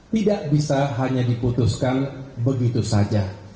tidak bisa hanya diputuskan begitu saja